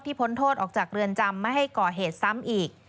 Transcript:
พ้นโทษออกจากเรือนจำไม่ให้ก่อเหตุซ้ำอีก